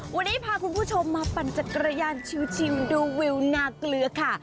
วันนี้พาคุณผู้ชมมาปั่นจักรยานชิวดูวิวนาเกลือค่ะ